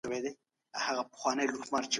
چارواکو وويل چې عرضه مخ په لوړېدو ده.